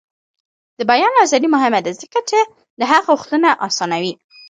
د بیان ازادي مهمه ده ځکه چې د حق غوښتنه اسانوي.